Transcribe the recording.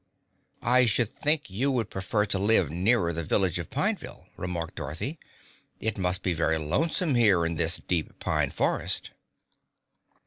"I should think you would prefer to live nearer the village of Pineville," remarked Dorothy. "It must be very lonesome here in this deep pine forest."